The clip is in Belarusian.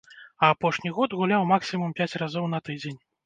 А апошні год гуляў максімум пяць разоў на тыдзень.